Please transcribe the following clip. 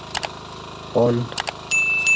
پان